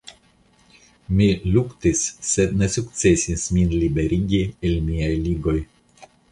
Mi luktis sed ne sukcesis min liberigi el miaj ligoj.